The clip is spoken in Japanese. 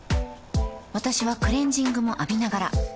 私はクレジングも浴びながら